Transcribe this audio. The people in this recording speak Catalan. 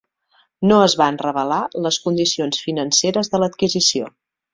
No es van revelar les condicions financeres de l'adquisició.